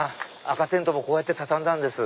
紅テントもこうやって畳んだんです。